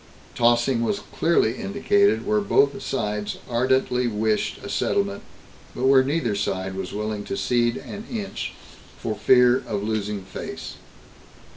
3. Tossing was clearly indicated where both sides ardently wished a settlement, but where neither side was willing to cede an inch, for fear of losing "face."